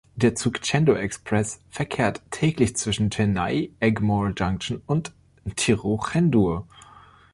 Der Zug Chendur Express verkehrt täglich zwischen Chennai Egmore Junction und Tiruchendur.